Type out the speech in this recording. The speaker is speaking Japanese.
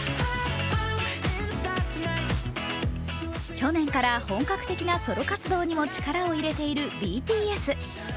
去年から本格的なソロ活動にも力を入れているＢＴＳ。